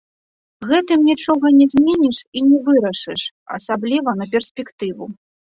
Гэтым нічога не зменіш і не вырашыш, асабліва на перспектыву.